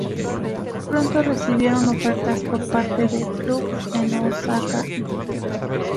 Pronto recibieron ofertas por parte de clubes en Osaka y Kioto.